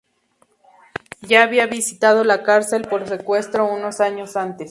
Ya había visitado la cárcel por secuestro unos años antes.